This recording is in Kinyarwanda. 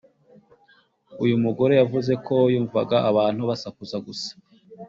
uyu mugore yavuze ko yumvaga abantu basakuza gusa